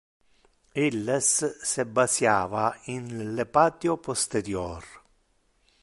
Illes se basiava in le patio posterior.